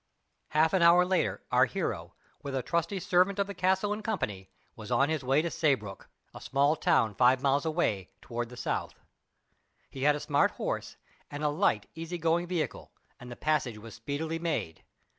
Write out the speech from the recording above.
Half an hour later, our hero, with a trusty servant of the castle in company, was on his way to Saybrook, a small town five miles away toward the south. He had a smart horse, and a light, easy going vehicle, and the passage was speedily made.